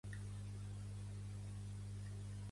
Investiguen sobre l'assassí en sèrie que els encalça.